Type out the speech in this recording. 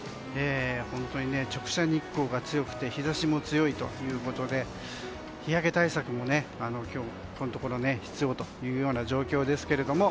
本当に直射日光が強くて日差しも強いということで日焼け対策もこのところ必要という状況です。